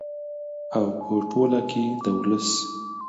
او په ټوله کې د ولس